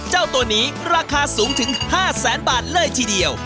เจ้าตัวนี้ราคาสูงถึง๕แสนบาทเลยทีเดียว